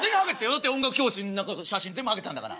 だって音楽教室の中の写真全部ハゲてたんだから。